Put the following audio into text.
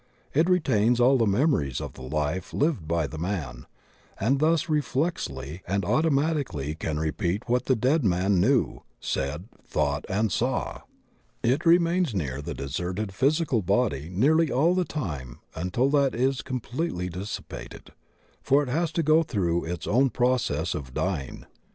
It retains all the memo ries of the life lived by the man, and thus reflexly and automatically can repeat what the dead man knew, said, thought, and saw. It remains near the deserted physi cal body nearly all the time until that is completely dis sipated, for it has to go through its own process of dying.